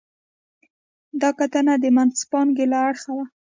دا کتنه د منځپانګې له اړخه وه.